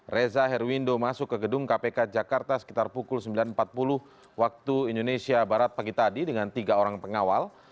reza herwindo masuk ke gedung kpk jakarta sekitar pukul sembilan empat puluh waktu indonesia barat pagi tadi dengan tiga orang pengawal